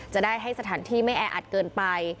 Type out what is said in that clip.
จะได้ให้สถานที่ไม่แออัดเกินไป